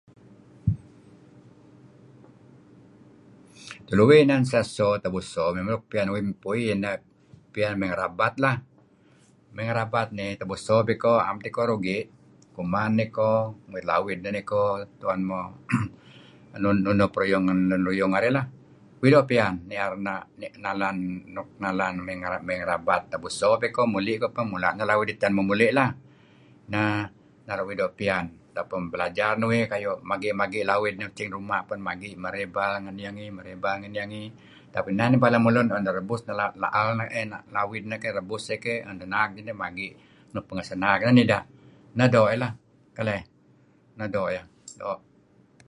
Tulu uih inan sah eso tebuso nuk piyn uih iyh ineh piyan ngerabat lah. May ngerabat, may tebso tiko naem teh rugi' kuman niko muit lawid neh niko tuen muh nunuh peruyung lun ruyung arih lah. Uih doo' Piyan nier nuk nalan may ngerabat tebuso. Kapeh peh iko muli iko mula; neh lawid iten muh muli' lah. Neh naru' uih doo' piyan. Atau pun belajar uih kayu' magi' magi' uih macing ruma' magi' ngen iyeh ngi, marey ibal ngen iyrh ngi. Tetapi inan lemulun rebut ngalap laal lawid dih rebus iih keyh an tuen iko bagi' nuk pangeh sinaag lah. Neh doo' iih lah keleh. Neh doo' iih.